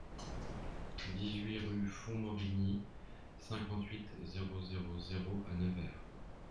dix-huit rue Fonmorigny, cinquante-huit, zéro zéro zéro à Nevers